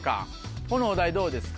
このお題どうですか？